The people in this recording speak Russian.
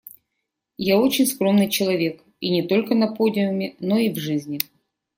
Я очень скромный человек, и не только на подиуме, но и в жизни.